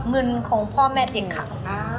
มือนของพ่อแม่เด็กขัง